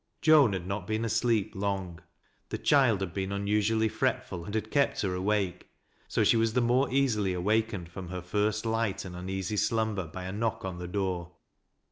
Joan had not been asleep long. The child had been anusually fretful, and had kept her awake. So she was the more easily awakened from her first light and uneasy slumber by a knock on the door.